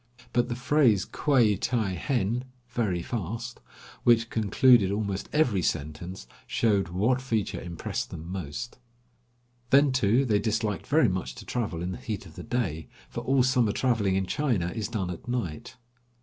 But the phrase quai ti henn (very fast), which concluded almost every sentence, showed what feature impressed them most. Then, too, they disliked very much to travel in the heat of the day, for all summer traveling in China is done at night.